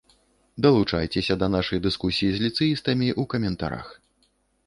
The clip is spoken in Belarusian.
Далучайцеся да нашай дыскусіі з ліцэістамі ў каментарах.